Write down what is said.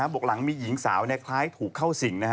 หลังมีหญิงสาวคล้ายถูกเข้าสิง